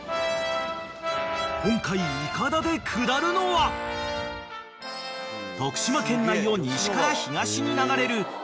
［今回いかだで下るのは徳島県内を西から東に流れる］